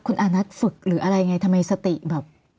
คุณอานัทฝึกหรืออะไรไงทำไมสติแบบ